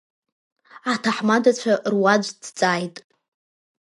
Аҭаҳмадцәа руаӡә дҵааит.